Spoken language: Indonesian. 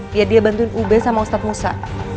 biar dia bantuin ube sama ustadz musa